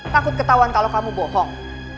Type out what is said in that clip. takut ketahuan kalau kamu bohong